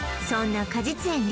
そんな果実園